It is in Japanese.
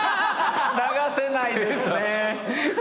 流せないですね。